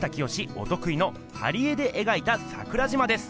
おとくいの貼り絵でえがいた桜島です。